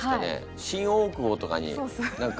新大久保とかに何か。